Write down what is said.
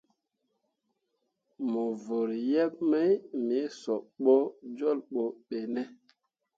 Mo vǝrri yeb mai me sob bo jolbo be ne ?